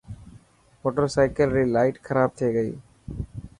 موٽرسائيڪل ري لائٽ خراب ٿي گئي.